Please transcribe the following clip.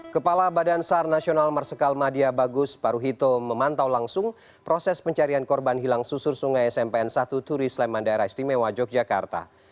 kepala badan sar nasional marsikal madia bagus paruhito memantau langsung proses pencarian korban hilang susur sungai smpn satu turi sleman daerah istimewa yogyakarta